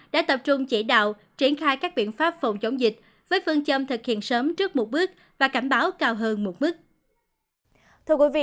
đã tập trung chỉ đạo triển khai các biện pháp phòng chống dịch với phương châm thực hiện sớm trước một bước và cảnh báo cao hơn một mức